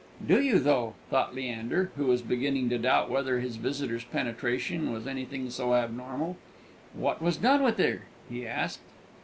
"Do you, though?" thought Leander, who was beginning to doubt whether his visitor's penetration was anything so abnormal. "What was done with her?" he asked.